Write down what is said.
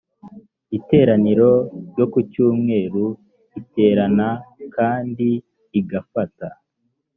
iteraniro ryo ku cyumweru iterana kandi igafata